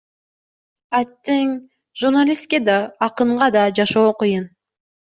Аттиң, журналистке да, акынга да жашоо кыйын,